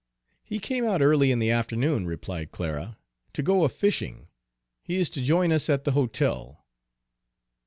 "He came out early in the afternoon," replied Clara, "to go a fishing. He is to join us at the hotel."